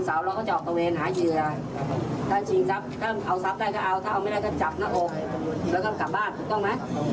ถ้าเอาไม่ได้ก็จับหน้าโอบแล้วก็กลับบ้านถูกต้องไหม